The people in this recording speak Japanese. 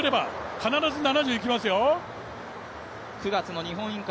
必ず７０いきますよ。